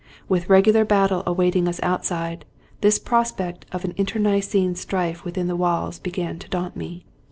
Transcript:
With regular battle awaiting us outside, this prospect of an internecine strife within the walls began to daunt me.